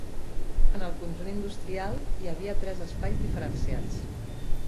En el conjunt industrial hi havia tres espais diferenciats.